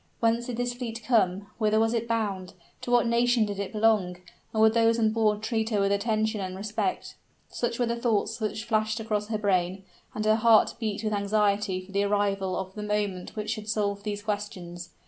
Whence did this fleet come? whither was it bound? to what nation did it belong? and would those on board treat her with attention and respect? Such were the thoughts which flashed across her brain and her heart beat with anxiety for the arrival of the moment which should solve those questions.